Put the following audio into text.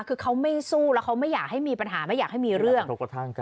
คือเขาไม่สู้แล้วเขาไม่อยากให้มีปัญหาไม่อยากให้มีเรื่อง